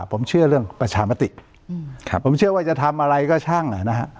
ผมเชื่อเรื่องประชามติผมเชื่อว่าจะทำอะไรก็ช่างอ่ะนะฮะ